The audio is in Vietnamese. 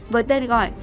với tên gọi